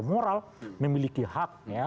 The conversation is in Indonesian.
moral memiliki hak